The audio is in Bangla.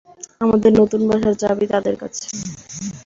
আমাদের নতুন বাসার চাবি তাদের কাছে।